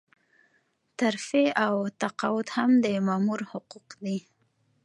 ترفيع او تقاعد هم د مامور حقوق دي.